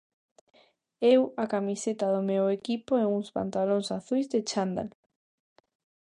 Eu, a camiseta do meu equipo e uns pantalóns azuis de chándal.